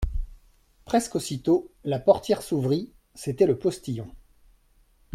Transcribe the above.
Presque aussitôt la portière s'ouvrit : c'était le postillon.